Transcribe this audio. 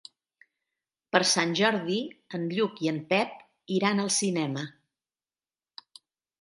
Per Sant Jordi en Lluc i en Pep iran al cinema.